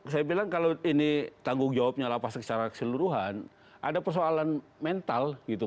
saya bilang kalau ini tanggung jawabnya lapas secara keseluruhan ada persoalan mental gitu